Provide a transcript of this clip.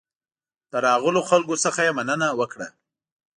د راغلو خلکو څخه یې مننه وکړه.